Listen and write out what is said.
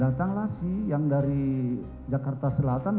datanglah si yang dari jakarta selatan